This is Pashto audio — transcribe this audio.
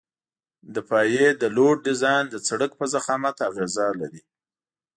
د پایې د لوډ ډیزاین د سرک په ضخامت اغیزه لري